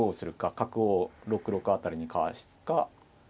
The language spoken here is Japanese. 角を６六辺りにかわすか。